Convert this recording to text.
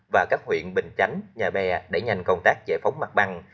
và các huyện bình chánh nhà bè để nhanh công tác giải phóng mặt bằng